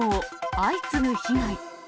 相次ぐ被害。